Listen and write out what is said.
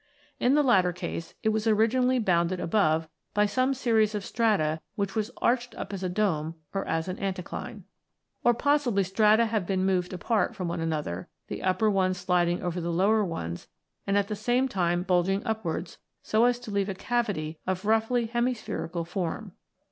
In the latter case, it was originally bounded above by some series of strata which was arched up as a dome or as an anticline. Or possibly strata have been moved apart from one another, the upper ones sliding over the lower ones and at the same time bulging upwards, so as to leave a cavity of roughly hemispherical form.